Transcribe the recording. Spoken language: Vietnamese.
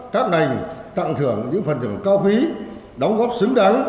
các ngành tặng thưởng những phần thưởng cao quý đóng góp xứng đáng